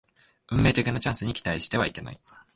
運命的なチャンスに期待してはいけない